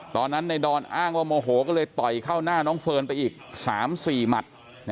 ตอนนั้นในดอนอ้างว่าโมโหก็เลยต่อยเข้าหน้าน้องเฟิร์นไปอีก๓๔หมัด